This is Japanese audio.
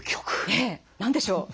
ええ。何でしょう？